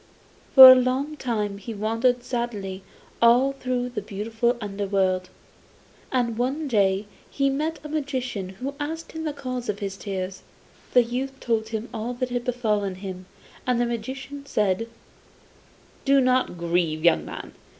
For a long time he wandered sadly all through the beautiful underworld, and one day he met a magician who asked him the cause of his tears. The youth told him all that had befallen him, and the magician said: 'Do not grieve, young man!